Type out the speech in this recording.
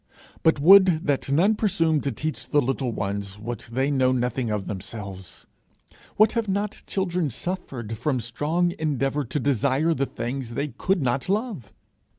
But would that none presumed to teach the little ones what they know nothing of themselves! What have not children suffered from strong endeavour to desire the things they could not love!